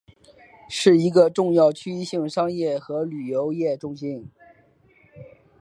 是一个重要的区域性商业和旅游业中心。